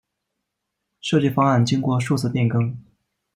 设计方案经过数次变更。